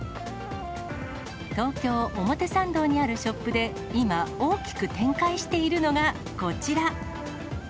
東京・表参道にあるショップで今、大きく展開しているのが、こちら。